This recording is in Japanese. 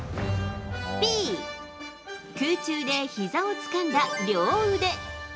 Ｂ、空中でひざをつかんだ両腕。